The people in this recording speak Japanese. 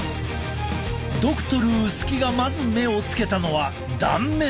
ドクトル薄木がまず目をつけたのは断面。